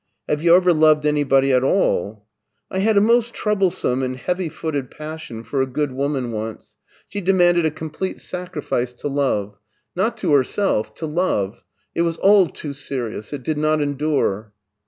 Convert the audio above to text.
"Have you ever loved anybody at all? "" I had a most troublesome and heavy footed passion for a good woman once. She demanded a complete 4t BERLIN 217 sacrifice to love : not to herself, to love ! It was all too serious. It did not endure."